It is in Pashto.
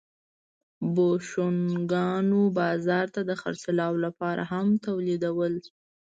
بوشونګانو بازار ته د خرڅلاو لپاره هم تولیدول